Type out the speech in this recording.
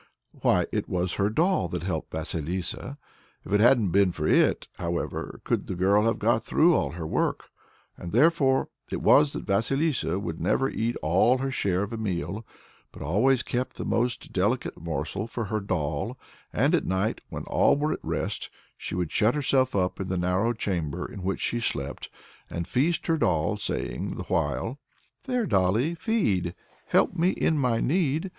Why, it was her doll that helped Vasilissa. If it hadn't been for it, however could the girl have got through all her work? And therefore it was that Vasilissa would never eat all her share of a meal, but always kept the most delicate morsel for her doll; and at night, when all were at rest, she would shut herself up in the narrow chamber in which she slept, and feast her doll, saying the while: "There, dolly, feed; help me in my need!